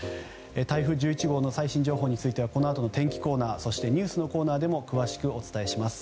台風１１号の最新情報についてはこのあとの天気コーナーそしてニュースのコーナーでも詳しくお伝えします。